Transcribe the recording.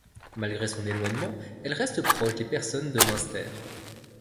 Malgré son éloignement, elle reste proche des personnes de Münster.